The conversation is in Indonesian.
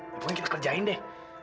pokoknya kita kerjain deh